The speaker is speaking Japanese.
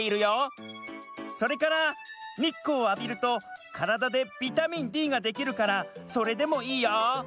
それからにっこうをあびるとカラダでビタミンＤができるからそれでもいいよ。